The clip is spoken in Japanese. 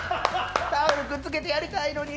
タオルくっつけてやりたいのに。